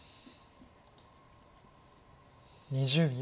２０秒。